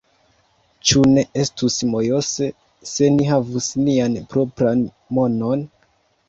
Ĉu ne estus mojose, se ni havus nian propran monon?